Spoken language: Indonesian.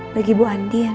bagi ibu andien